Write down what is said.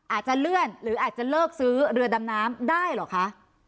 อาจจะเลื่อนหรืออาจจะเลิกซื้อเรือดำน้ำได้เหรอคะ